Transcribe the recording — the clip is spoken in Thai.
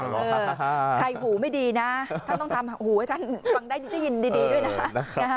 ใครหูไม่ดีนะท่านต้องทำหูให้ท่านฟังได้ได้ยินดีด้วยนะ